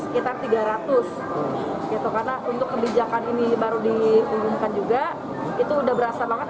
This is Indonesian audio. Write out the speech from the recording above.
sekitar tiga ratus gitu karena untuk kebijakan ini baru diumumkan juga itu udah berasa banget